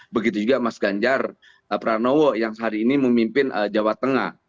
begitu juga mas ganjar pranowo yang hari ini memimpin jawa tengah